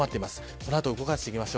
この後、動かしていきます。